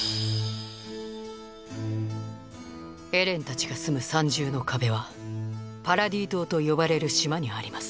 エレンたちが住む三重の壁は「パラディ島」と呼ばれる島にあります。